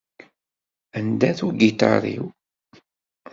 Anda-t ugiṭar-iw?